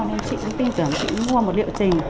nên chị cũng tin tưởng chị mua một liệu trình